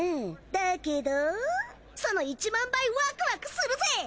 その１万倍ワクワクするぜぇ！